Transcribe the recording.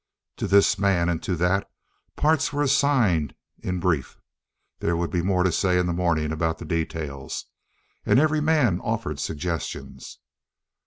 To this man and to that, parts were assigned in brief. There would be more to say in the morning about the details. And every man offered suggestions.